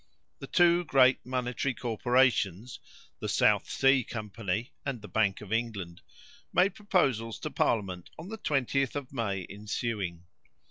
The two great monetary corporations, the South Sea Company and the Bank of England, made proposals to parliament on the 20th of May ensuing.